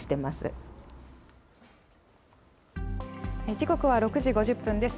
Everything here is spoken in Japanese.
時刻は６時５０分です。